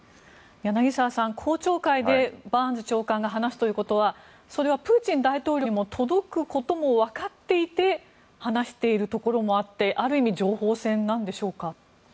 柳澤さん、公聴会でバーンズ長官の話ということはそれはプーチン大統領にも届くこともわかっていて話しているところもあってある意味情報戦なんでしょうか。